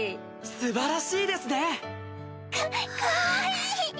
素晴らしいですね！かかわいい！